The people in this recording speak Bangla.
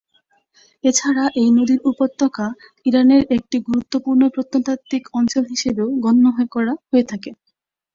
এছাড়া এই নদীর উপত্যকা ইরানের একটি গুরুত্বপূর্ণ প্রত্নতাত্ত্বিক অঞ্চল হিসেবেও গণ্য করা হয়ে থাকে।